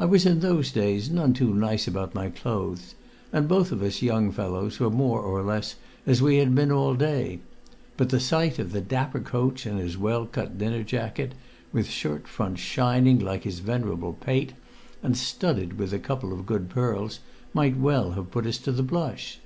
I was in those days none too nice about my clothes, and both of us young fellows were more or less as we had been all day; but the sight of the dapper coach in his well cut dinner jacket, with shirt front shining like his venerable pate, and studded with a couple of good pearls, might well have put us to the blush.